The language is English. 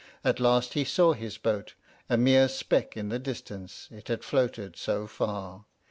At last he saw his boat, a mere speck in the distance, it had floated so far.